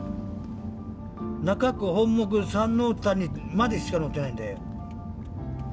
「中区本牧三ノ谷」までしか載ってないんだよ。